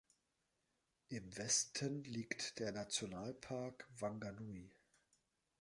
Im Westen liegt der Nationalpark Whanganui.